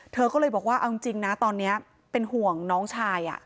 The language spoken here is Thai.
เธอก็เลยบอกว่าเอาจริงนะตอนนี้เป็นห่วงน้องชาย